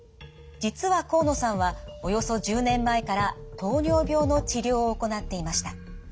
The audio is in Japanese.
実は河野さんはおよそ１０年前から糖尿病の治療を行っていました。